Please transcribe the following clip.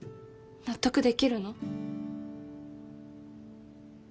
納得できるの？